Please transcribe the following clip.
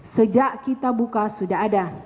sejak kita buka sudah ada